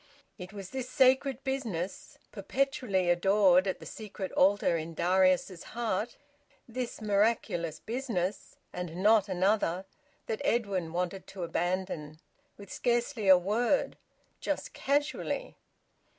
It was this sacred business (perpetually adored at the secret altar in Darius's heart), this miraculous business, and not another, that Edwin wanted to abandon, with scarcely a word; just casually!